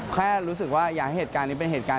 แค่รู้สึกว่าอย่าให้เหตุการณ์นี้เป็นเหตุการณ์